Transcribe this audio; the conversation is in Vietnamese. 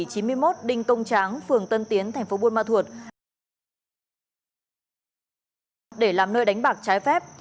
địa chỉ chín mươi một đinh công tráng phường tân tiến thành phố buôn ma thuột để làm nơi đánh bạc trái phép